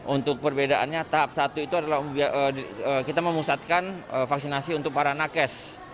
untuk perbedaannya tahap satu itu adalah kita memusatkan vaksinasi untuk para nakes